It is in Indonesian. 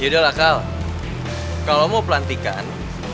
yaudah lah kal kalau mau pelantikan